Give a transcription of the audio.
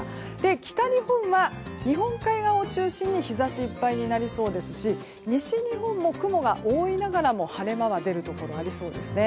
北日本は日本海側を中心に日差しいっぱいになりそうですし西日本も、雲が多いながらも晴れ間が出るところがありそうです。